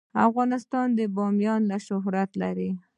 افغانستان د بامیان له امله شهرت لري.